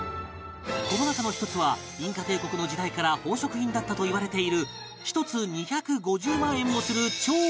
この中の１つはインカ帝国の時代から宝飾品だったといわれている１つ２５０万円もする超貴重なもの